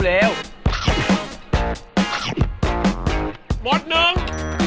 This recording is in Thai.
หมดหนึ่ง